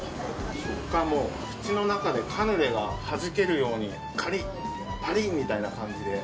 食感も、口の中でカヌレがはじけるようにカリッ、パリッみたいな感じで。